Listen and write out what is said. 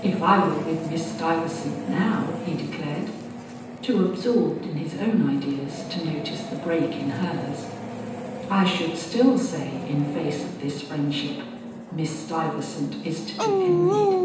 "If I were with Miss Stuyvesant now," he declared, too absorbed in his own ideas to notice the break in hers, "I should still say in face of this friendship, 'Miss Stuyvesant is to be envied.'